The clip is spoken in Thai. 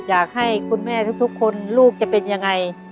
อยากให้คุณแม่ทุกคนลูกจะเป็นยังไง